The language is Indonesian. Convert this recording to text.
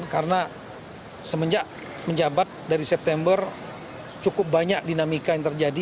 karena semenjak menjabat dari september cukup banyak dinamika yang terjadi